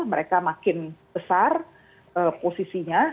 mereka makin besar posisinya